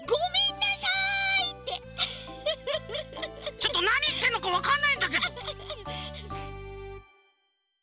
ちょっとなにいってんのかわかんないんだけど。